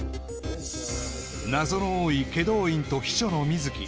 謎の多い祁答院と秘書の水樹